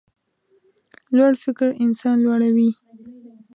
لوړ فکر انسان لوړوي.